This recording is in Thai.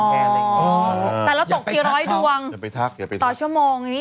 ก็ไม่รู้ไงแต่คุณแม่พาผู้ชายน้อยให้ดู